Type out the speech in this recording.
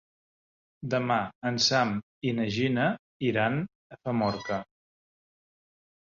Demà en Sam i na Gina iran a Famorca.